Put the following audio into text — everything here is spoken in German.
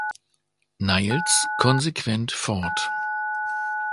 Neills konsequent fort.